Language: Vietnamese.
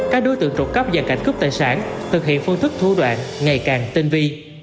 các đối tượng trục cấp và cảnh cướp tài sản thực hiện phương thức thua đoạn ngày càng tinh vi